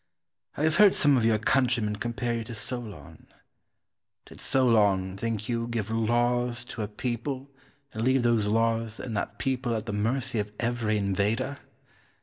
I have heard some of your countrymen compare you to Solon. Did Solon, think you, give laws to a people, and leave those laws and that people at the mercy of every invader?